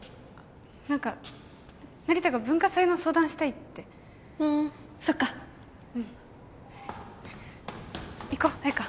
何か成田が文化祭の相談したいってふんそっかうん行こ彩花